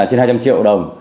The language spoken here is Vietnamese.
trên hai trăm linh triệu đồng